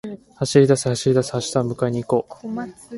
走りだせ、走りだせ、明日を迎えに行こう